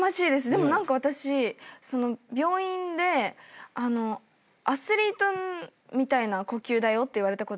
でも何か私病院でアスリートみたいな呼吸だよって言われたことあるんですよ。